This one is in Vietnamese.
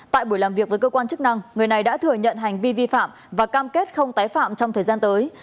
tại buổi làm việc với cơ quan chức năng người này đã thừa nhận hành vi vi phạm và cam kết không tái phạm trong thời gian tới